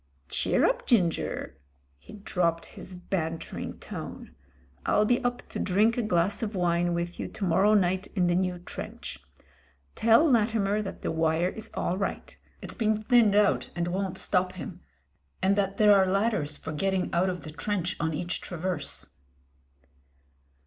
"Cheer up, Ginger." He dropped his bantering tone. "I'll be up to drink a glass of wine with you to mor row night in the new trench. Tell Latimer that the wire is all right — it's been thinned out and won't stop him, and that there are ladders for getting out of the trench on each traverse."